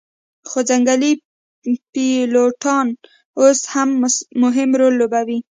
خو ځنګلي پیلوټان اوس هم مهم رول لوبوي